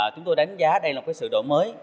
chúng tôi đánh giá đây là một sự đổi mới